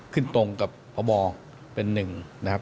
ขึ้นตรงกับพบเป็นหนึ่งนะครับ